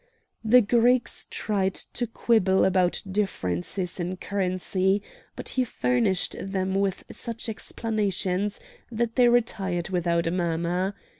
The Greeks tried to quibble about differences in currency, but he furnished them with such explanations that they retired without a murmur.